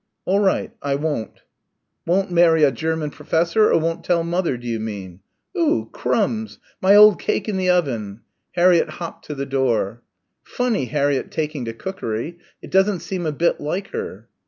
"All right. I won't." "Won't marry a German professor, or won't tell mother, do you mean?... Oo Crumbs! My old cake in the oven!" Harriett hopped to the door. "Funny Harriett taking to cookery. It doesn't seem a bit like her."